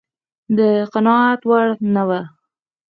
د قناعت وړ نه و.